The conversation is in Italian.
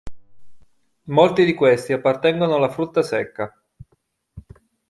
Molti di questi appartengono alla frutta secca.